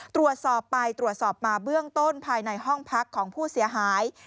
ตรวจสอบไปตรวจสอบมาเบื้องต้นภายในห้องพักของผู้เสียหาย